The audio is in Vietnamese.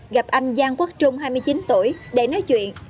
gặp anh giang quốc trung hai mươi chín tuổi để nói chuyện